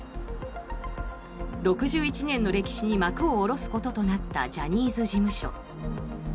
６１年の歴史に幕を下ろすこととなったジャニーズ事務所。